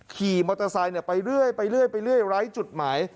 ขี่มอเตอร์ไซค์ไปเรื่อยไร้จุดหมาย